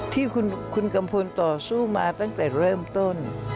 ที่คุณกัมพลต่อสู้มาตั้งแต่เริ่มต้น